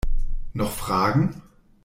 Noch Fragen?